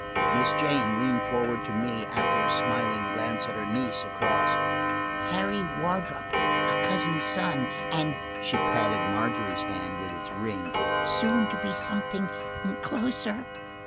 Miss Jane leaned forward to me after a smiling glance at her niece across. "Harry Wardrop, a cousin's son, and–" she patted Margery's hand with its ring–"soon to be something closer."